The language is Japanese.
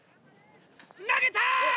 投げた！